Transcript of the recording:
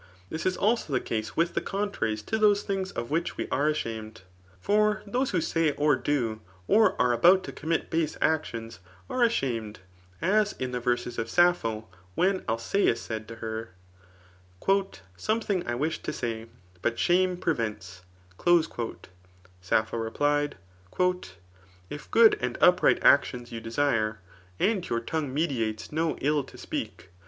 This is also the case with the contra^ ma to those things of which we are ashamed. • For those who say or do, or are about to commit base actions ace ashamed^ as in the yerses of Sappho when Alcoeus said to her, Something I wUb to s^y, but $bs^me prevent% Sappho replied, • If good and upright actions you desire, • Ai^i JDiir tpngne n^ditatea no iQ to speak